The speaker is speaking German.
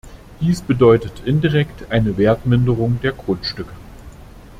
Dies bedeutet indirekt eine Wertminderung der Grundstücke.